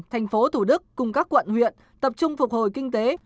thành phố thủ đức cùng các quận huyện tập trung phục hồi kinh tế